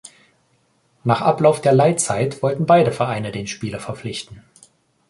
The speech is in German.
Nach Ablauf der Leihzeit wollten beide Vereine den Spieler verpflichten.